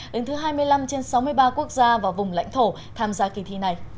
đến thứ hai mươi năm trên sáu mươi ba quốc gia và vùng lãnh thổ tham gia kỳ thi này